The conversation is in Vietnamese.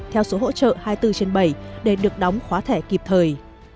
theo số hỗ trợ hai trăm bốn mươi bảy để được đóng khóa thẻ kịp thời